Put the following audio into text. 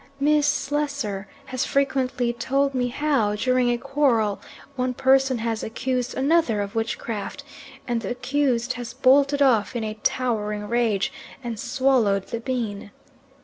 Miss Slessor has frequently told me how, during a quarrel, one person has accused another of witchcraft, and the accused has bolted off in a towering rage and swallowed the bean.